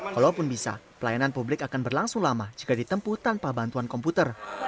kalaupun bisa pelayanan publik akan berlangsung lama jika ditempuh tanpa bantuan komputer